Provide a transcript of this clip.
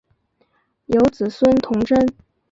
有子孙同珍。